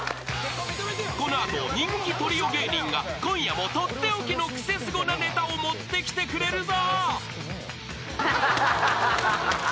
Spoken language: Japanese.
［この後人気トリオ芸人が今夜も取って置きのクセスゴなネタを持ってきてくれるぞ］